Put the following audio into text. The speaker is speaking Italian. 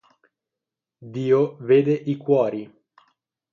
Dio vede i cuori.